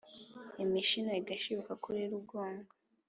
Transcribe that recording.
imishino igashibuka kuri rugongo.